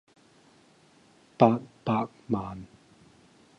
八百萬